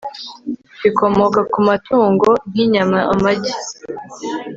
bikomoka ku matungo nk'inyama, amagi